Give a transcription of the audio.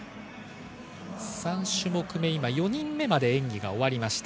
３種目目、今、４人目まで演技が終わりました。